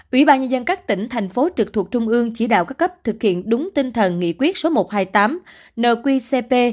ủy ban nhân dân các tỉnh thành phố trực thuộc trung ương chỉ đạo các cấp thực hiện đúng tinh thần nghị quyết số một trăm hai mươi tám nqcp